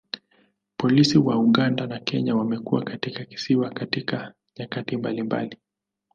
Polisi wa Uganda na Kenya wamekuwa katika kisiwa katika nyakati mbalimbali.